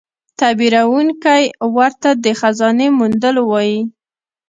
تعبیرونکی ورته د خزانې موندلو وايي.